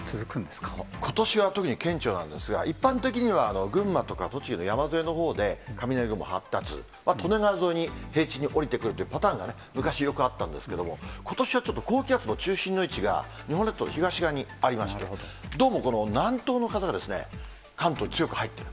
ことしは特に顕著なんですが、一般的には、群馬とか栃木の山沿いのほうで雷雲発達、利根川沿いに平地に降りてくるというパターンが昔よくあったんですけども、ことしはちょっと高気圧の中心の位置が、日本列島の東側にありまして、どうもこの南東の風が関東に強く入ってる。